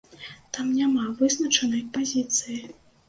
Там няма вызначанай пазіцыі.